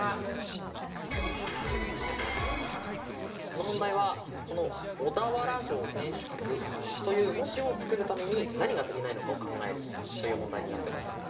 この問題はこの「小田原城天守閣」という文字を作るために何が足りないのかを考えるという問題になってました。